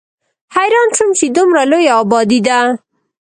حېران شوم چې دومره لويه ابادي ده